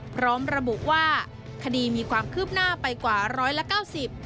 พร้อมระบุว่าคดีมีความคืบหน้าไปกว่าร้อยละเก้าสิบ